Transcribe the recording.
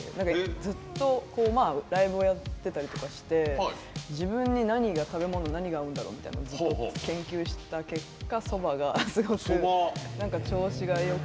ずっとライブをやっていたりとかして自分に食べ物で何が合うんだろうみたいにずっと研究した結果蕎麦がすごく調子がよく。